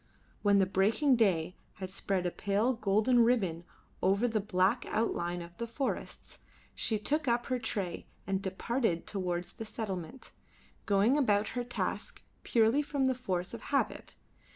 When the breaking day had spread a pale golden ribbon over the black outline of the forests, she took up her tray and departed towards the settlement, going about her task purely from the force of habit.